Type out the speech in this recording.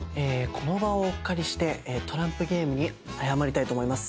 この場をお借りしてトランプゲームに謝りたいと思います。